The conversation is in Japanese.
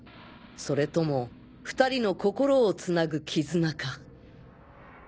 それとも２人の心をつなぐ絆か。